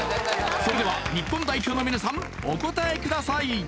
それでは日本代表の皆さんお答えください